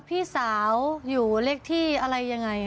พี่สาวอยู่เลขที่อะไรยังไง